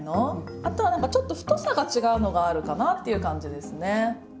あとは何かちょっと太さが違うのがあるかなっていう感じですね。